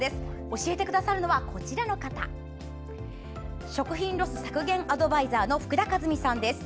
教えてくださるのは食品ロス削減アドバイザーの福田かずみさんです。